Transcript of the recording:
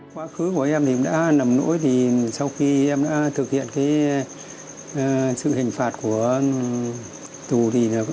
quá khứ của em thì đã nằm nỗi thì sau khi em đã thực hiện cái sự hình phạt của tù thì là